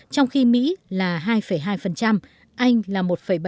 trong khi mỹ là hai hai anh là một bảy